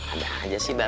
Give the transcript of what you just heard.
ada aja sih bek